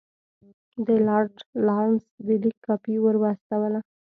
د لارډ لارنس د لیک کاپي ورواستوله.